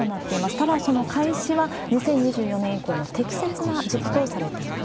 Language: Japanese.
ただ、その開始は、２０２４年以降の適切な時期とされています。